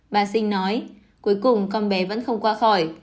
bà sinh nói cuối cùng con bé vẫn không qua khỏi